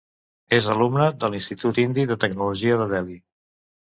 És alumne de l'Institut Indi de Tecnologia de Delhi.